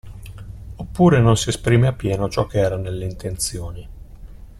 Oppure non si esprime a pieno ciò che era nelle intenzioni.